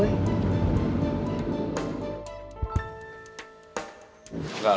gak like banget sih